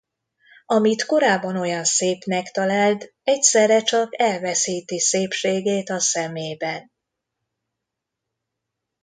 Amit korábban olyan szépnek talált egyszerre csak elveszíti szépségét a szemében.